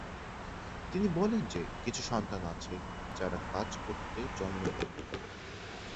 তিনি বলেন যে কিছু সন্তান আছে যারা "কাজ করতে জন্মগ্রহণ" করে।